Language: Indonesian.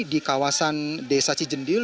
di kawasan desa cijendil